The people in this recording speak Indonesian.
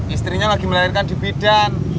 istrinya lagi melahirkan di bidan